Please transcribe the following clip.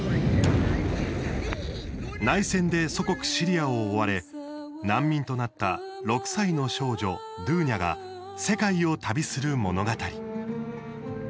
内戦で祖国シリアを追われ難民となった６歳の少女ドゥーニャが世界を旅する物語。